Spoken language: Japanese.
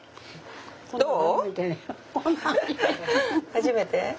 初めて？